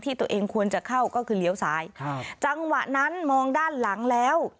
ตัวเองควรจะเข้าก็คือเลี้ยวซ้ายครับจังหวะนั้นมองด้านหลังแล้ว